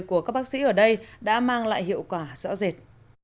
của các bác sĩ ở đây đã mang lại hiệu quả rõ rệt